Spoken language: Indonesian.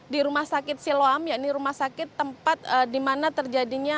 di rumah sakit siloam yaitu rumah sakit tempat di mana terjadinya